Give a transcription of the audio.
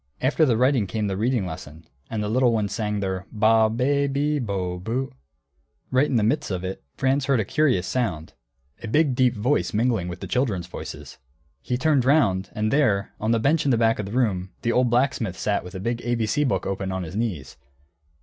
After the writing came the reading lesson, and the little ones sang their ba, be, bi, bo, bu. Right in the midst of it, Franz heard a curious sound, a big deep voice mingling with the children's voices. He turned round, and there, on the bench in the back of the room, the old blacksmith sat with a big ABC book open on his knees.